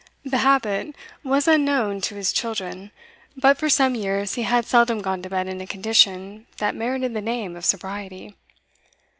The habit was unknown to his children, but for some years he had seldom gone to bed in a condition that merited the name of sobriety.